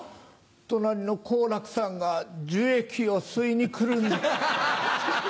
隣の好楽さんが樹液を吸いに来るんです。